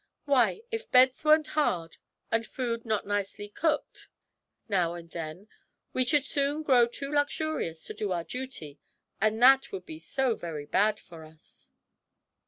Why, if beds weren't hard and food not nicely cooked now and then, we should soon grow too luxurious to do our duty, and that would be so very bad for us!'